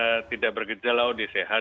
dan tidak bergeja lalu dia sehat